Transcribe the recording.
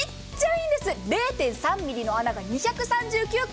０．３ｍｍの穴が２３９個。